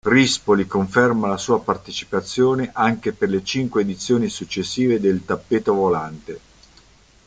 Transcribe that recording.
Rispoli conferma la sua partecipazione anche per le cinque edizioni successive del "Tappeto Volante".